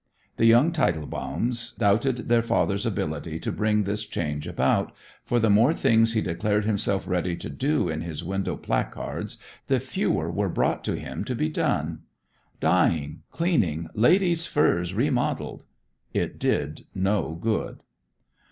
The young Tietelbaums doubted their father's ability to bring this change about, for the more things he declared himself ready to do in his window placards, the fewer were brought to him to be done. "Dyeing, Cleaning, Ladies' Furs Remodeled" it did no good.